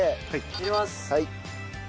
入れます。